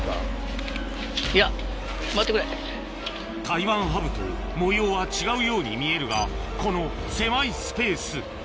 タイワンハブと模様は違うように見えるがこの狭いスペース